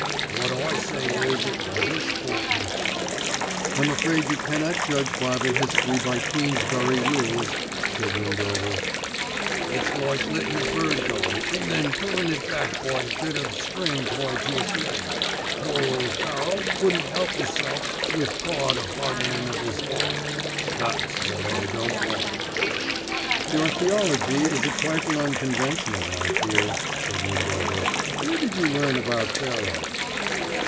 Wot I say is it wasn't sportin'." "I'm afraid you cannot judge bible history by Queensberry rules," said Windover. "It's like lettin' a bird go and then pullin' it back by a bit o' string tied to its leg. Poor ole Pharaoh couldn't 'elp 'isself with Gawd a 'ardenin' of 'is 'eart. That's wot I don't like." "Your theology is a trifle unconventional, I fear," said Windover. "Where did you learn about Pharaoh?"